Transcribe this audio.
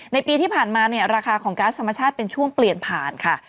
ปีที่ผ่านมาเนี่ยราคาของก๊าซธรรมชาติเป็นช่วงเปลี่ยนผ่านค่ะ